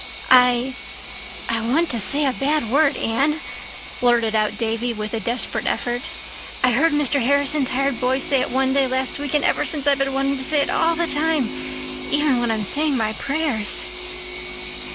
"I—I want to say a bad word, Anne," blurted out Davy, with a desperate effort. "I heard Mr. Harrison's hired boy say it one day last week, and ever since I've been wanting to say it all the time—even when I'm saying my prayers."